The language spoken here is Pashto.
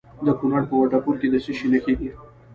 د کونړ په وټه پور کې د څه شي نښې دي؟